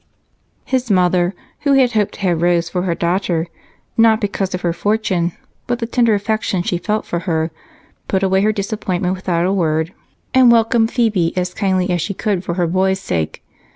His mother, who had hoped to have Rose for her daughter not because of her fortune, but the tender affection she felt for her put away her disappointment without a word and welcomed Phebe as kindly as she could for her boy's sake.